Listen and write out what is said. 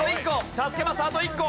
助けマスあと１個！